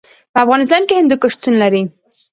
په افغانستان کې هندوکش شتون لري.